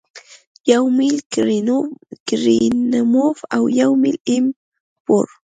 یو میل کرینموف او یو میل ایم پور